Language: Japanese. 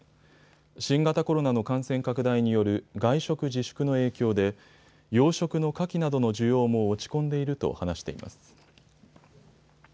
新型コロナの感染拡大による外食自粛の影響で養殖のカキなどの需要も落ち込んでいると話しています。